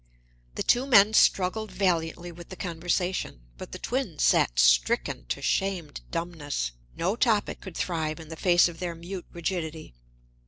The two men struggled valiantly with the conversation, but the twins sat stricken to shamed dumbness: no topic could thrive in the face of their mute rigidity.